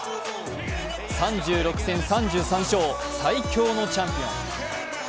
３６戦３３勝、最強のチャンピオン